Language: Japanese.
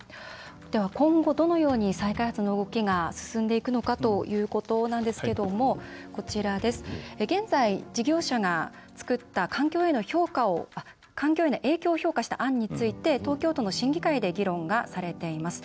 今後どのように再開発の動きが進んでいくかということなんですが現在、事業者が作った環境への影響を評価した案について東京都の審議会で議論されています。